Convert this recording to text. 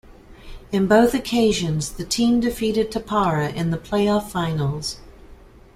In both occasions, the team defeated Tappara in the play-off finals.